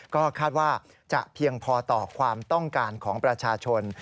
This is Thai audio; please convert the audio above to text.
ก็คาดว่าจะเพียงพอต่อความต้องการของประชาชน